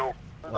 ở dưới bạc liêu